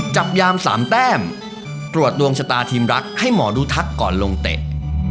จับยามสามแต้มตรวจดวงชะตาทีมรักให้หมอดูทักก่อนลงเตะ